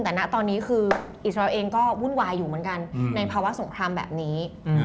แต่ณตอนนี้คืออิสราเองก็วุ่นวายอยู่เหมือนกันในภาวะสงครามแบบนี้